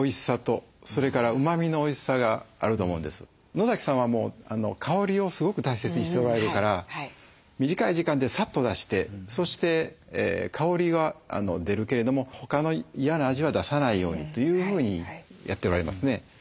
野さんは香りをすごく大切にしておられるから短い時間でさっと出してそして香りは出るけれども他の嫌な味は出さないようにというふうにやっておられますね。